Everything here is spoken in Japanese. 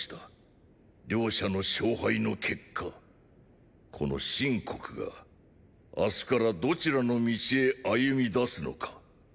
両者の勝敗の結果この秦国が明日からどちらの道へ歩みだすのか。